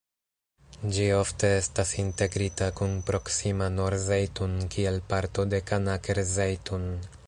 Ĝi ofte estas integrita kun proksima Nor-Zejtun kiel parto de Kanaker-Zejtun.